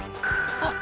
あっ！